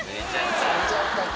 ついちゃったか。